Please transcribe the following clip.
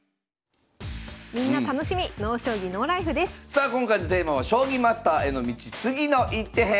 さあ今回のテーマは「将棋マスターへの道次の一手編」。